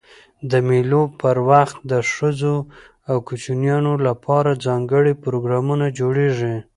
د مېلو پر وخت د ښځو او کوچنيانو له پاره ځانګړي پروګرامونه جوړېږي.